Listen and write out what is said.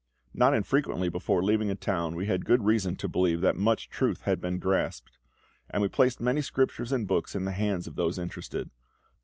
Not infrequently before leaving a town we had good reason to believe that much truth had been grasped; and we placed many Scriptures and books in the hands of those interested.